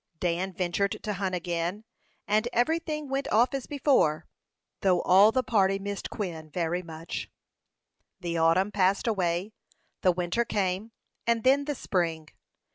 Dan ventured to hunt again, and every thing went off as before, though all the party missed Quin very much. The autumn passed away; the winter came, and then the spring.